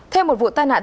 thêm một vụ tai nạn xuyên